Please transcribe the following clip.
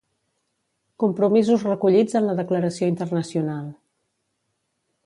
Compromisos recollits en la declaració internacional.